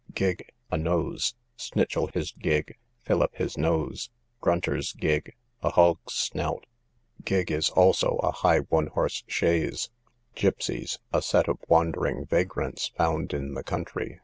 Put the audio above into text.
Gigg, a nose: snitchell his gigg; fillip his nose: grunter's gigg; a hog's snout. Gigg is also a high one horse chaise. Gipseys, a set of wandering vagrants found in the country.